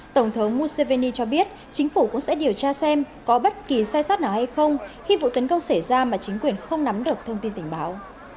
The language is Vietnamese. tổng thống musseveni cho biết chính phủ cũng sẽ điều tra xem có bất kỳ sai sót nào hay không khi vụ tấn công xảy ra mà chính quyền không nắm được thông tin tình báo